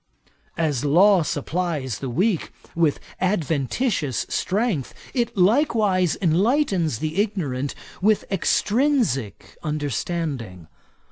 'As law supplies the weak with adventitious strength, it likewise enlightens the ignorant with extrinsick understanding.